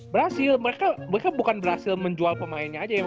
berhasil mereka bukan berhasil menjual pemainnya aja ya